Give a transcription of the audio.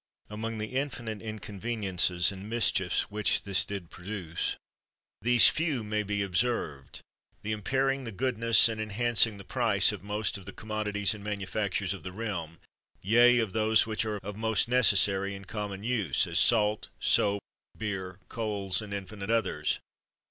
Among the infinite inconveniences and mischiefs which this did produce, these few may be observed: The impairing the goodness, and enhancing the price of most of the commodities and manufac tures of the realm, yea, of those which are of most necessary and common use, as salt, soap, beer, coals, and infinite others.